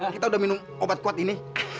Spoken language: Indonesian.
kita udah minum obat kuat ini